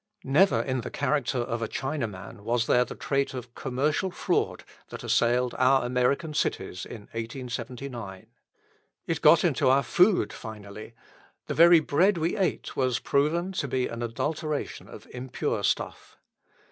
Never in the character of a Chinaman was there the trait of commercial fraud that assailed our American cities in 1879. It got into our food finally the very bread we ate was proven to be an adulteration of impure stuff.